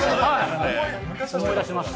思い出しました。